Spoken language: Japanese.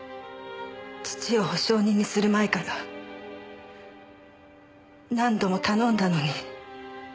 父を保証人にする前から何度も頼んだのに。